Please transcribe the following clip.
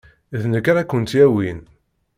D nekk ara kent-yawin.